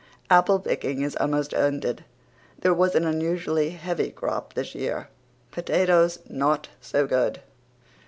Apple picking is almost ended. There was an unusually heavy crop this year. Potatoes, not so good.